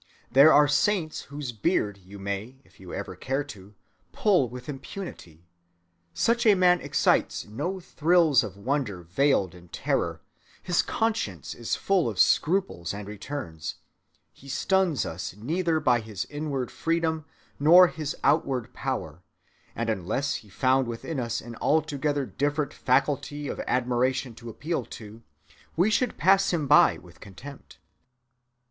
There are saints whose beard you may, if you ever care to, pull with impunity. Such a man excites no thrills of wonder veiled in terror; his conscience is full of scruples and returns; he stuns us neither by his inward freedom nor his outward power; and unless he found within us an altogether different faculty of admiration to appeal to, we should pass him by with contempt.